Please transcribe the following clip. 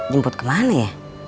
jemput kemana ya